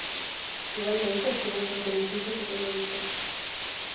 Igualmente, obtuvo otros beneficios económicos.